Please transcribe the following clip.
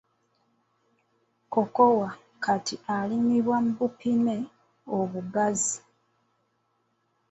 Cocoa kati alimibwa mu bupime obugazi.